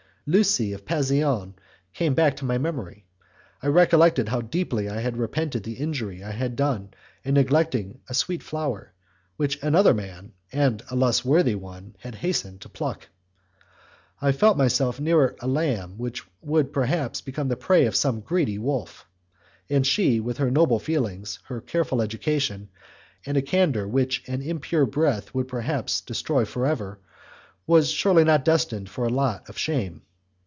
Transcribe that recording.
Lucie of Pasean came back to my memory; I recollected how deeply I had repented the injury I had done in neglecting a sweet flower, which another man, and a less worthy one, had hastened to pluck; I felt myself near a lamb which would perhaps become the prey of some greedy wolf; and she, with her noble feelings, her careful education, and a candour which an impure breath would perhaps destroy for ever, was surely not destined for a lot of shame.